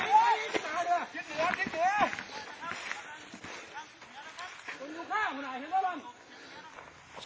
เฮ้โปรดโปรดไปเร็วไปอีกไปอีกติดเหนือติดเหนือ